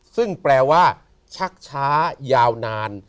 ซึ่งแปลว่าชักช้ายาวนาน